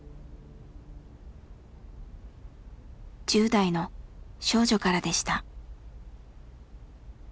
１０代の少女からでした。